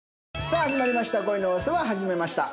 さあ始まりました